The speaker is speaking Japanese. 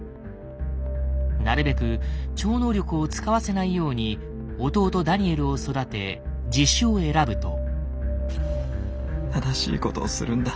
なるべく超能力を使わせないように弟ダニエルを育て自首を選ぶと。